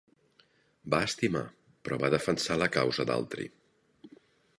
Va estimar, però va defensar la causa d'altri.